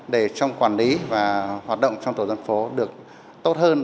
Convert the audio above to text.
để trong quản lý và hoạt động trong tổ dân phố được tốt hơn